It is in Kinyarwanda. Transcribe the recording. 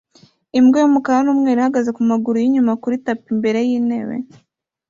Imbwa y'umukara n'umweru ihagaze ku maguru yinyuma kuri tapi imbere y'intebe